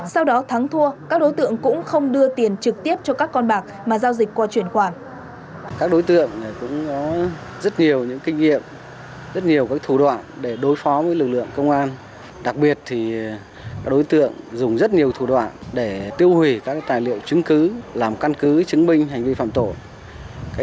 sau đó thắng thua các đối tượng cũng không đưa tiền trực tiếp cho các con bạc mà giao dịch qua chuyển khoản